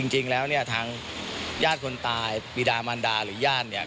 จริงแล้วทั้งญาติคนตายปีดามันดาหรือย่างญาติ